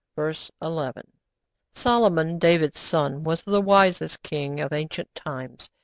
_' (Verse 11.) Solomon, David's son, was the wisest king of ancient times.